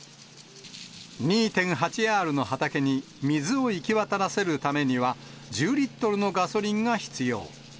２．８アールの畑に、水を行き渡らせるためには、１０リットルのガソリンが必要。